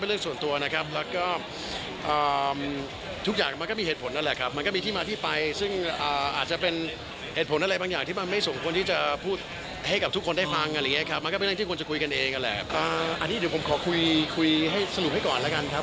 อันนี้เดี๋ยวผมขอคุยสรุปให้ก่อนแล้วกันครับ